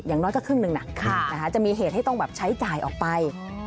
อย่างน้อยก็ครึ่งหนึ่งนะจะมีเหตุให้ต้องใช้จ่ายออกไป